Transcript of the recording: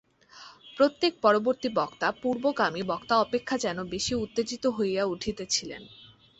প্রত্যেক পরবর্তী বক্তা পূর্বগামী বক্তা অপেক্ষা যেন বেশী উত্তেজিত হইয়া উঠিতেছিলেন।